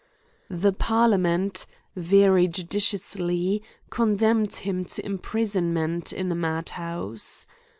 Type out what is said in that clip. The parliament, very judiciously, condemned him to imprisonment in a mad house.